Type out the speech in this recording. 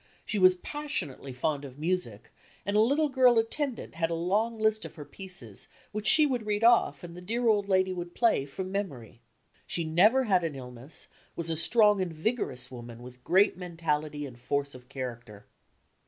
She was passionately fond of music and a little girl attendant had a long list of her pieces which she would read off and the dear old lady would play from mem ory. She never had an illness, was a strong and vigorous woman, with great mentality and force of character.